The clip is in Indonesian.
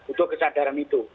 butuh kesadaran itu